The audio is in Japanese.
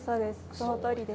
そのとおりです。